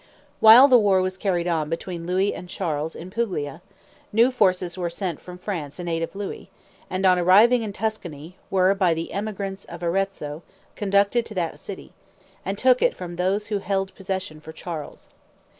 While the war was carried on between Louis and Charles in Puglia, new forces were sent from France in aid of Louis, and on arriving in Tuscany, were by the emigrants of Arezzo conducted to that city, and took it from those who held possession for Charles.